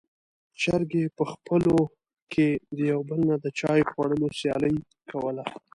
چرګې په خپلو کې د يو بل نه د چای خوړلو سیالي کوله.